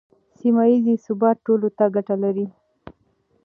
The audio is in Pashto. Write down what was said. سیمه ییز ثبات ټولو ته ګټه لري.